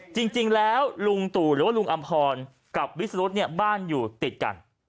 จริงแล้วลุงตู่หรือว่าลุงอำพรกับวิสรุธเนี่ยบ้านอยู่ติดกัน